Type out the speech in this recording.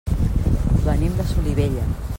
Venim de Solivella.